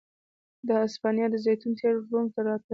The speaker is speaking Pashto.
د هسپانیا د زیتونو تېل روم ته راتلل